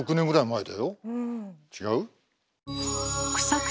違う？